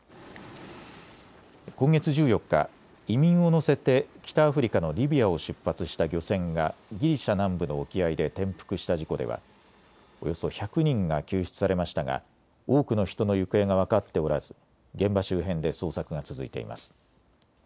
今月１４日、移民を乗せて北アフリカのリビアを出発した漁船がギリシャ南部の沖合で転覆した事故ではおよそ１００人が救出されましたが多くの人の行方が分かっておらず現場周辺で捜索が続いています。